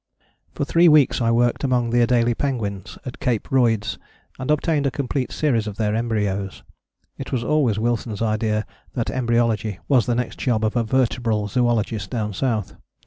" For three weeks I worked among the Adélie penguins at Cape Royds, and obtained a complete series of their embryos. It was always Wilson's idea that embryology was the next job of a vertebral zoologist down south.